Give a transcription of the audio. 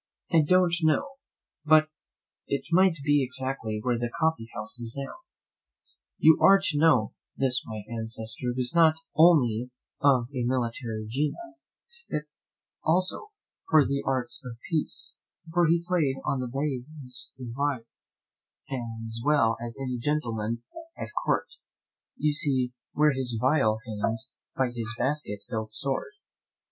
I don't know but it might be exactly where the coffee house is now. "You are to know this my ancestor was not only of a military genius, but fit also for the arts of peace, for he played on the bass viol as well as any gentleman at court; you see where his viol hangs by his basket hilt sword.